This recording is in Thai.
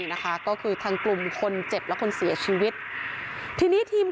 นะคะก็คือทางกลุ่มคนเจ็บและคนเสียชีวิตทีนี้ทีม